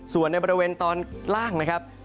ส่วนในบริเวณตอนล่างนะครับ